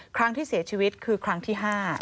ครั้งที่เสียชีวิตคือครั้งที่๕